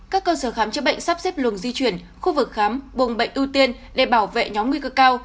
các cơ sở khám chữa bệnh sắp xếp luồng di chuyển khu vực khám buồng bệnh ưu tiên để bảo vệ nhóm nguy cơ cao